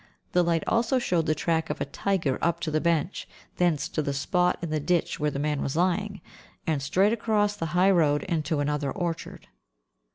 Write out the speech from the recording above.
The light also showed the track of a tiger up to the bench, thence to the spot in the ditch where the man was lying, and straight across the high road into another orchard.